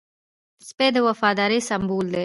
سپي د وفادارۍ سمبول دی.